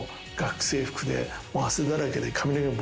もう汗だらけで。